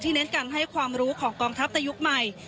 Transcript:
เน้นการให้ความรู้ของกองทัพในยุคใหม่